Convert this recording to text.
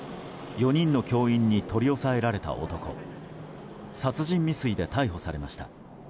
４人の教員に取り押さえられた男殺人未遂で逮捕されました。